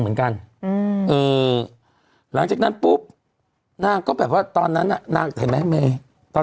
นะลูกไม่เอานะให้ลูกนะนะแล้วก็เดี๋ยวสู้กันต่อ